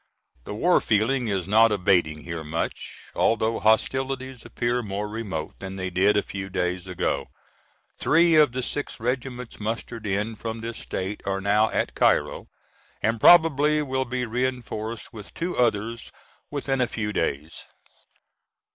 The war feeling is not abating here much, although hostilities appear more remote than they did a few days ago. Three of the six Regiments mustered in from this state are now at Cairo, and probably will be reinforced with two others within a few days.